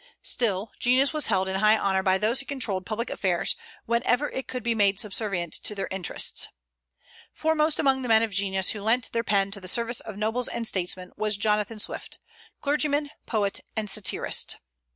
Still, genius was held in high honor by those who controlled public affairs, whenever it could be made subservient to their interests. Foremost among the men of genius who lent their pen to the service of nobles and statesmen was Jonathan Swift, clergyman, poet, and satirist.